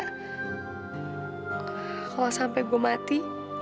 kalau sampai gue mati